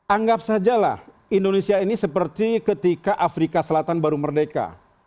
anggap sajalah indonesia ini seperti ketika afrika selatan baru merdeka